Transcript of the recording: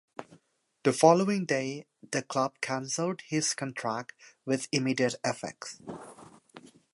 The following day the club cancelled his contract with immediate effect.